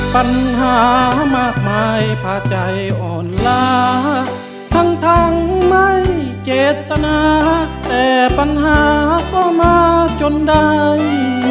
ปัญหามากมายผ่าใจอ่อนลาทั้งทั้งไม่เจตนาแต่ปัญหาก็มาจนใด